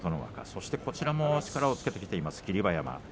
そして、こちらも力をつけている霧馬山。